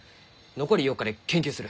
残り４日で研究する。